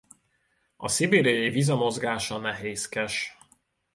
A szibériai viza mozgása nehézkes.